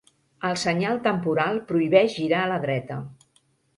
El senyal temporal prohibeix girar a la dreta.